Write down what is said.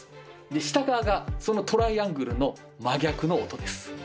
下側がそのトライアングルの真逆の音です。